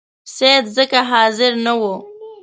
سید ځکه حاضر نه وو.